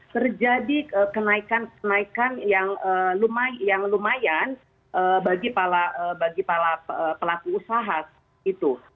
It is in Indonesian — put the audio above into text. terjadi kenaikan kenaikan yang lumayan bagi para pelaku usaha itu